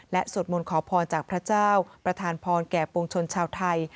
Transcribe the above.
สวดมนต์ขอพรจากพระเจ้าประธานพรแก่ปวงชนชาวไทย